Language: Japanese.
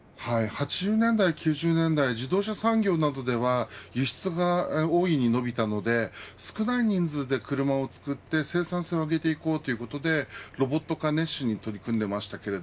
８０年代９０年代自動車産業などでは輸出が大いに伸びたので少ない人数で車を作って生産性を上げていこうということでロボット化に熱心に取り組んでいました。